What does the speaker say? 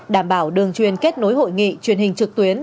đảm bảo đường truyền kết nối hội nghị truyền hình trực tuyến